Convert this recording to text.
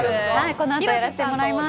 このあと、やらせてもらいます。